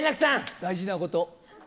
大事なこと。